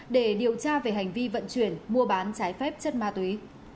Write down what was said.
để điều tra về hành vi vận chuyển mua bán trái phép chất ma túy